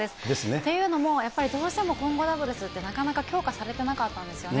というのも、やっぱりどうしても混合ダブルスって、なかなか強化されてなかったんですよね。